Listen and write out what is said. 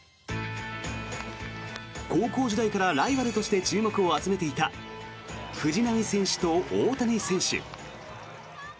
高校時代からライバルとして注目を集めていた藤浪選手と大谷選手。